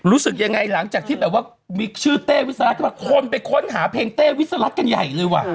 รู้สึกยังไงหลังจากที่แบบว่ามีชื่อเต้วิสระขึ้นมาคนไปค้นหาเพลงเต้วิสลักษณ์กันใหญ่เลยว่ะ